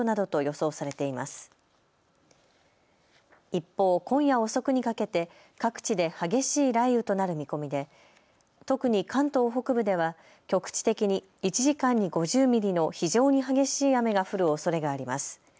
一方、今夜遅くにかけて各地で激しい雷雨となる見込みで特に関東北部では局地的に１時間に５０ミリの非常に激しい雨が降るおそれがあります。